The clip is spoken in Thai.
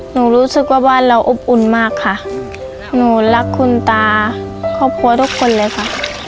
รู้สึกว่าบ้านเราอบอุ่นมากค่ะหนูรักคุณตาครอบครัวทุกคนเลยค่ะ